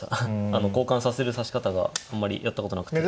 あの交換させる指し方があんまりやったことなくて。